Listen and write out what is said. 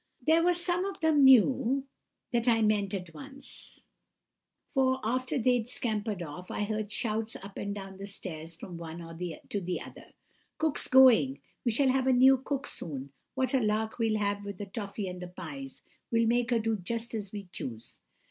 "There was some of them knew what I meant at once, for after they'd scampered off I heard shouts up and down the stairs from one to the other, 'Cook's going!' 'We shall have a new cook soon!' 'What a lark we'll have with the toffey and the pies! We'll make her do just as we choose!